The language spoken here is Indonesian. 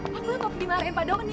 kamu ini kok berpindah rempah doang nih